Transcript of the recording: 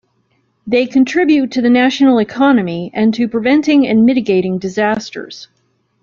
They contribute to the national economy and to preventing and mitigating disasters.